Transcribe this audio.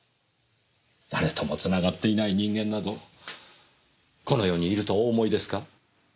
誰ともつながっていない人間などこの世にいるとお思いですか？